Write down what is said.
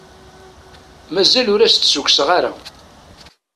Mazal ur as-d-ssukkseɣ ara.